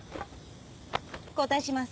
交代します。